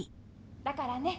だからね